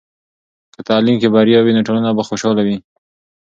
که تعلیم کې بریا وي، نو ټولنه به خوشحاله وي.